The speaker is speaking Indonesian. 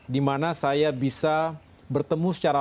karena saya bisa bertemu secara